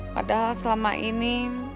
padahal selama ini